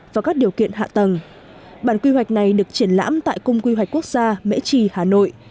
và các điều kiện hạ tầng bản quy hoạch này được triển lãm tại cung quy hoạch quốc gia mễ trì hà nội